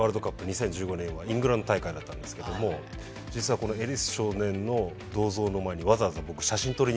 ２０１５年はイングランド大会だったんですけども実はこのエリス少年の銅像の前にわざわざ僕写真撮りに行きました。